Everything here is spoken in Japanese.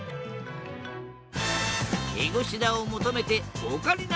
ヘゴシダを求めてオカリナ